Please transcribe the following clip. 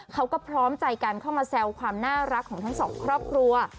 เขาก็พร้อมใจกันเข้ามาแซวความน่ารักของทั้งสองครอบครัว